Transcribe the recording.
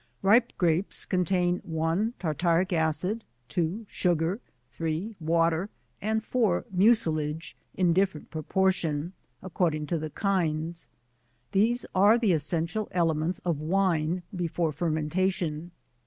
Ripe Grapes contain 1. Tartaric acid. 2. Sugar. 3.Wa ter, and 4. Mucilage, in different proportion, according to the kinds : these are the essential elements of Wine before fermentation.